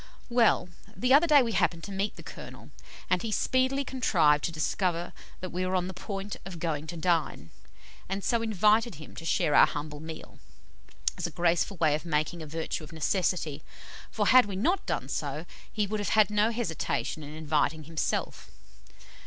Well, the other day we happened to meet the Colonel, and he speedily contrived to discover that we were on the point of going to dine, and so invited him to share our humble meal, as a graceful way of making a virtue of necessity, for had we not done so, he would have had no hesitation in inviting himself.